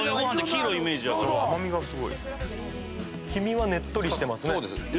黄身はねっとりしてますね。